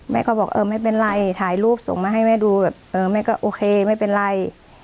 เขาบอกเออไม่เป็นไรถ่ายรูปส่งมาให้แม่ดูแบบเออแม่ก็โอเคไม่เป็นไร